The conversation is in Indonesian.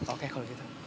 oke kalau gitu